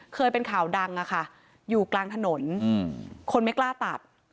เคยเป็นข่าวดังอะค่ะอยู่กลางถนนคนไม่กล้าตัด